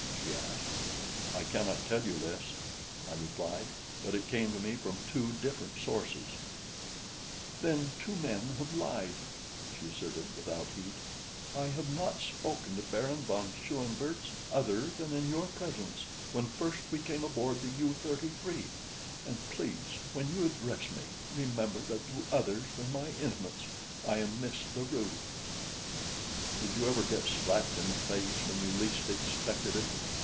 she asked. "I cannot tell you, Lys," I replied, "but it came to me from two different sources." "Then two men have lied," she asserted without heat. "I have not spoken to Baron von Schoenvorts other than in your presence when first we came aboard the U 33. And please, when you address me, remember that to others than my intimates I am Miss La Rue." Did you ever get slapped in the face when you least expected it?